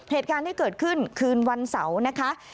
เหตุการณ์ที่เกิดขึ้นคืนวันเสาร์นะคะ